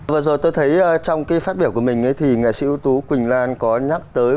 vừa rồi tôi thấy trong cái phát biểu của mình thì nghệ sĩ ưu tú quỳnh lan có nhắc tới